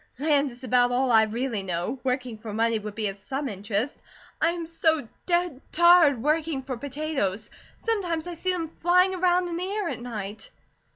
Land is about all I really know. Working for money would be of some interest. I am so dead tired working for potatoes. Sometimes I see them flying around in the air at night."